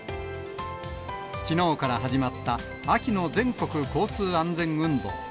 きのうから始まった秋の全国交通安全運動。